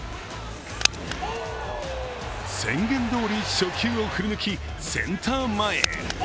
宣言どおり初球を振り抜きセンター前へ。